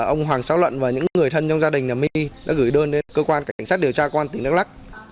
ông hoàng sáu luận và những người thân trong gia đình nhà my đã gửi đơn đến cơ quan cảnh sát điều tra công an tỉnh đắk lắc